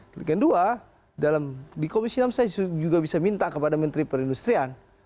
kemudian dua di komisi enam saya juga bisa minta kepada menteri perindustrian